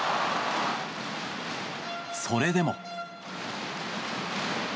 それでも。